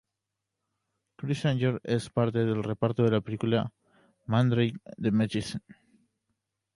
Criss Angel es parte del reparto de la película "Mandrake the Magician".